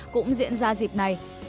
cũng diễn ra dịp này